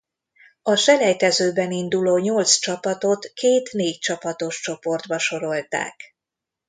A selejtezőben induló nyolc csapatot két négycsapatos csoportba sorolták.